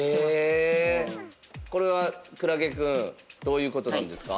これはくらげくんどういうことなんですか？